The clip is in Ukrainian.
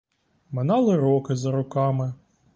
Минали роки за роками.